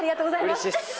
うれしいです。